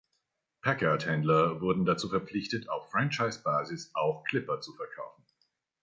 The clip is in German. Packard-Händler wurden dazu verpflichtet, auf Franchise-Basis auch Clipper zu verkaufen.